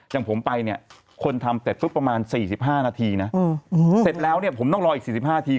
อย่างผมไปเนี่ยคนทำเสร็จปุ๊บประมาณ๔๕นาทีนะเสร็จแล้วเนี่ยผมต้องรออีก๔๕นาที